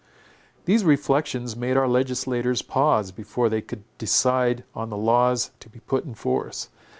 These reflections made our legislators pause, before they could decide on the laws to be put in force.